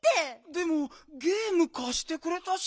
でもゲームかしてくれたし。